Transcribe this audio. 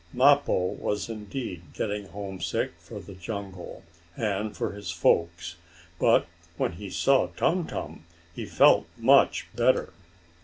Mappo was indeed getting homesick for the jungle, and for his folks, but when he saw Tum Tum, he felt much better.